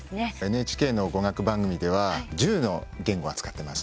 ＮＨＫの語学番組では１０の言語を扱ってます。